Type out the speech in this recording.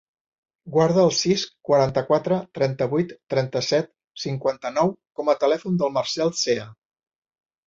Guarda el sis, quaranta-quatre, trenta-vuit, trenta-set, cinquanta-nou com a telèfon del Marcèl Cea.